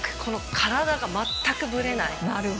体が全くぶれない。